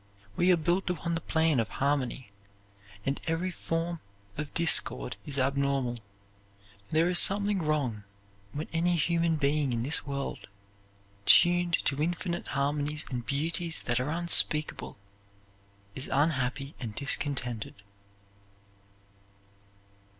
We are built upon the plan of harmony, and every form of discord is abnormal. There is something wrong when any human being in this world, tuned to infinite harmonies and beauties that are unspeakable, is unhappy and discontented.